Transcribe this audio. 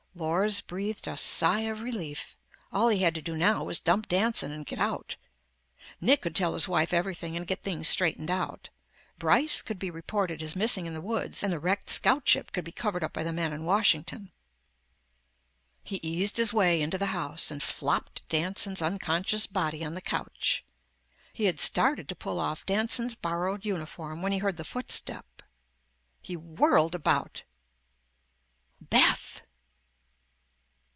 Lors breathed a sigh of relief. All he had to do now, was dump Danson and get out. Nick could tell his wife everything and get things straightened out. Brice could be reported as missing in the woods and the wrecked scout ship could be covered up by the men in Washington. He eased his way into the house and flopped Danson's unconscious body on the couch. He had started to pull off Danson's borrowed uniform when he heard the footstep. He whirled about! Beth!